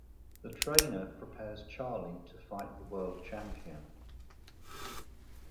The trainer prepares Charlie to fight the world champion.